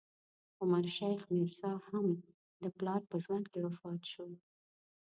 عمر شیخ میرزا، هم د پلار په ژوند کې وفات شو.